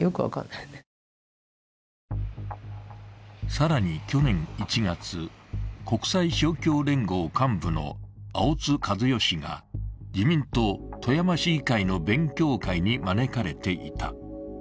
更に去年１月、国際勝共連合幹部の青津和代氏が自民党富山市議会の勉強会に招かれていた。